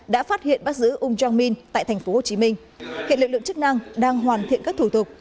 đã phát hiện bắt giữ um jong min tại tp hcm hiện lực lượng chức năng đang hoàn thiện các thủ tục